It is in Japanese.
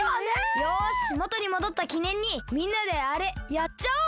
よしもとにもどったきねんにみんなであれやっちゃおう！